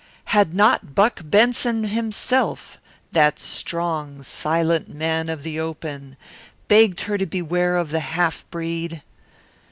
Had not Buck Benson himself, that strong, silent man of the open, begged her to beware of the half breed?